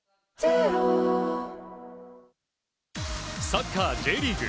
サッカーＪリーグ